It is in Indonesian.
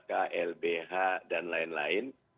klbh dan lain lain